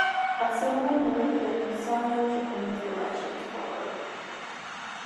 A similar move in Sino-Japanese relations followed.